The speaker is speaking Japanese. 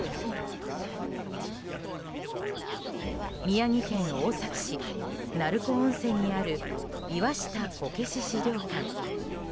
宮城県大崎市、鳴子温泉にある岩下こけし資料館。